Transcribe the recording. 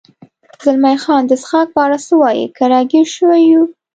زلمی خان: د څښاک په اړه څه وایې؟ که را ګیر شوي یو.